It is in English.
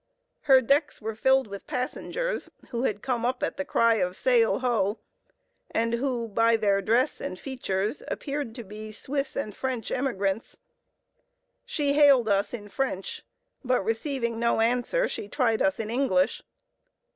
Her decks were filled with passengers who had come up at the cry of "Sail ho," and who by their dress and features appeared to be Swiss and French emigrants. She hailed us in French, but receiving no answer, she tried us in English.